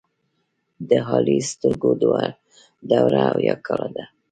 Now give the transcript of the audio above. د هالی ستورک دوره اويا کاله ده.